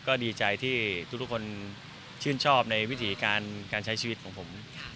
ก็ดีใจที่ทุกคนชื่นชอบในวิถีการใช้ชีวิตของผม